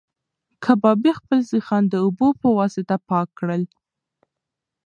کبابي خپل سیخان د اوبو په واسطه پاک کړل.